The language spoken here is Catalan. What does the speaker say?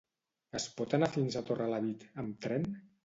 Es pot anar fins a Torrelavit amb tren?